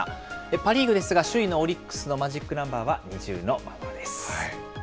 パ・リーグですが、首位のオリックスのマジックナンバーは２０のままです。